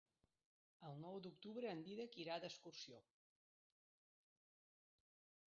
El nou d'octubre en Dídac irà d'excursió.